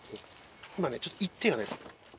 今ねちょっと「言って」がね。